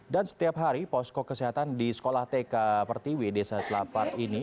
dan setiap hari posko kesehatan di sekolah tk pertiwi desa celapar ini